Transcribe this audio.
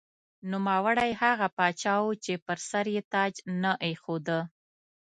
نوموړی هغه پاچا و چې پر سر یې تاج نه ایښوده.